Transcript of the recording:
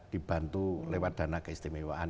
dibantu lewat dana keistimewaan